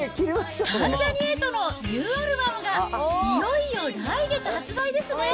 関ジャニ∞のニューアルバムがいよいよ来月発売ですね。